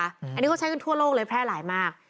อันนี้ก็ชัดขึ้นทั่วโลกเลยแพทย์หลายมาก